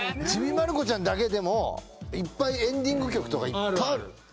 『ちびまる子ちゃん』だけでもエンディング曲とかいっぱいある。